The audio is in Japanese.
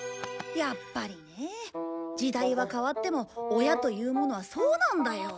やっぱりねえ時代は変わっても親というものはそうなんだよ。